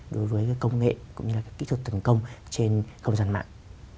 đối với công nghệ cũng như là kỹ thuật tấn công trên không gian mạng